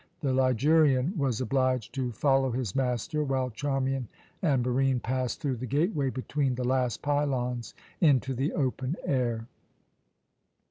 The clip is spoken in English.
The Ligurian was obliged to follow his master, while Charmian and Barine passed through the gateway between the last pylons into the open air.